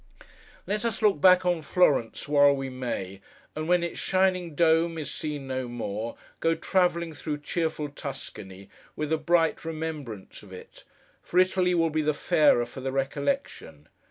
Let us look back on Florence while we may, and when its shining Dome is seen no more, go travelling through cheerful Tuscany, with a bright remembrance of it; for Italy will be the fairer for the recollection.